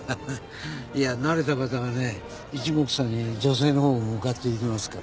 いや慣れた方はね一目散に女性のほうに向かって行きますから。